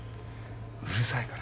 うるさいから。